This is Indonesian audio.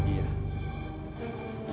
aku mau beli